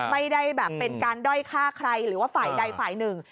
ไม่ได้แบบเป็นการด้อยฆ่าใครหรือว่าฝ่ายใดฝ่ายหนึ่ง